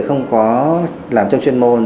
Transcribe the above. không có làm trong chuyên môn